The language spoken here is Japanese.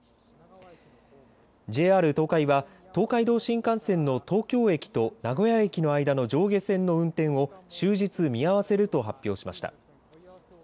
ＪＲ東海は東海道新幹線の東京駅と名古屋駅の間の上下線の運転を終日見合わせると発表しました。